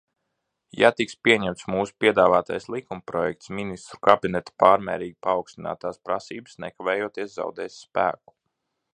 Ja tiks pieņemts mūsu piedāvātais likumprojekts, Ministru kabineta pārmērīgi paaugstinātās prasības nekavējoties zaudēs spēku.